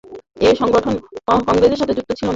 এ সংগঠন কংগ্রেসের সাথে যুক্ত ছিল না।